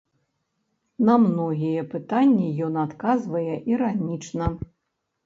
На многія пытанні ён адказвае іранічна.